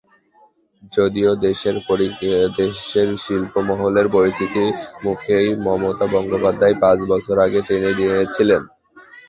যদিও দেশের শিল্পমহলের পরিচিত মুখকেই মমতা বন্দ্যোপাধ্যায় পাঁচ বছর আগে টেনে নিয়েছিলেন।